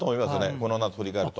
この夏、振り返ると。